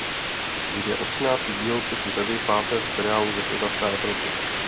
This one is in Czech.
Jde o třináctý díl třetí řady pátého seriálu ze světa Star Treku.